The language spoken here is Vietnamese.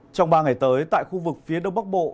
trong ba ngày tới tại khu vực phía đông bắc bộ